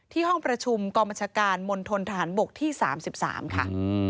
ที่ห้องประชุมกรมชาการมนตรฐานบกที่๓๓ค่ะ